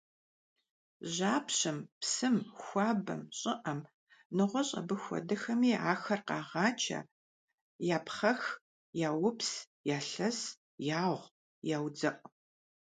Жьапщэм, псым, хуабэм, щIыIэм, нэгъуэщI абы хуэдэхэми ахэр къагъачэ, япхъэх, яупс, ялъэс, ягъу, яудзэIу.